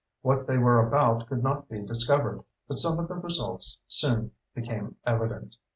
What they were about could not be discovered, but some of the results soon became evident.